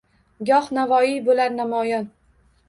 Gox Navoiy bo’lar namoyon.